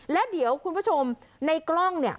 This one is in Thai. แล้วเดี๋ยวคุณผู้ชมในกล้องเนี่ย